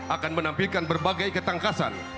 akan menampilkan berbagai ketangkasan